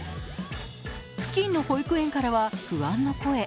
付近の保育園から不安の声。